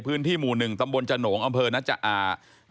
พื้นที่หมู่นึงตำบลจนโหนอำเภอนะจ้ะ